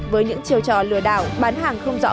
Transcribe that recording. với những chiêu trò lừa đảo bán hàng không rõ